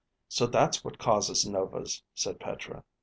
(So that's what causes novas, said Petra.)